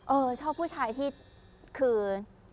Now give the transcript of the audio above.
ชอบผู้ชายที่คือ